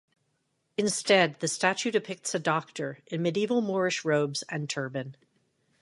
Instead, the statue depicts a doctor in medieval Moorish robes and turban.